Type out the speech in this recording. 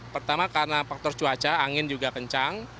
pertama karena faktor cuaca angin juga kencang